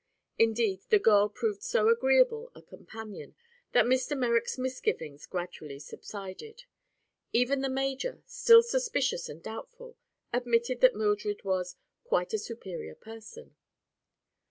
Indeed, the girl proved so agreeable a companion that Mr. Merrick's misgivings gradually subsided. Even the major, still suspicious and doubtful, admitted that Mildred was "quite a superior person."